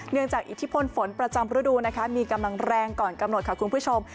จากอิทธิพลฝนประจำฤดูนะคะมีกำลังแรงก่อนกำหนดค่ะคุณผู้ชม